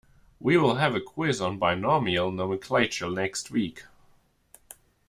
We will have a quiz on binomial nomenclature next week.